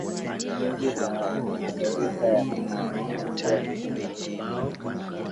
nyingi za Amerika ya Kusini zilikuwa zikifaulu kupata